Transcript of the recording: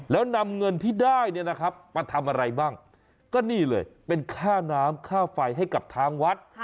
แล้วนำเงินที่ได้เนี่ยนะครับมาทำอะไรบ้างก็นี่เลยเป็นค่าน้ำค่าไฟให้กับทางวัด